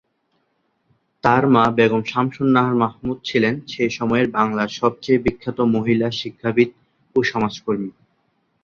তার মা বেগম শামসুন নাহার মাহমুদ ছিলেন সে সময়ের বাংলার সবচেয়ে বিখ্যাত মহিলা শিক্ষাবিদ ও সমাজকর্মী।